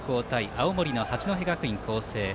青森の八戸学院光星高校。